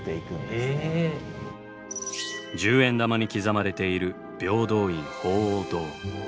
十円玉に刻まれている平等院鳳凰堂。